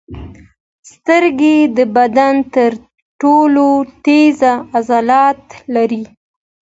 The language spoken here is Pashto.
سترګې د بدن تر ټولو تېز عضلات لري.